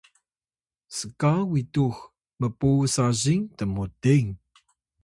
s’ka witux mpuw sazing tmuting